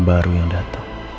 baru yang datang